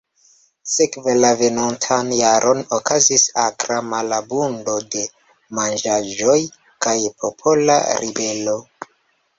Sekve la venontan jaron okazis akra malabundo de manĝaĵoj kaj popola ribelo.